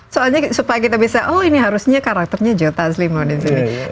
soalnya supaya kita bisa oh ini harusnya karakternya joe taslimo disini